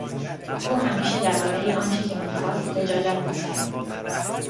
او همیشه دربارهی آنچه که میخواست لجاجت میکرد.